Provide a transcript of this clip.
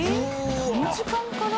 この時間から？